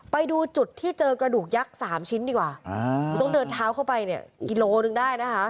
ไปดูจุดที่เจอกระดูกยักษ์สามชิ้นดีกว่าคือต้องเดินเท้าเข้าไปเนี่ยกิโลนึงได้นะคะ